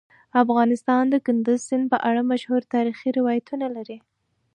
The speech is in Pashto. افغانستان د کندز سیند په اړه مشهور تاریخی روایتونه لري.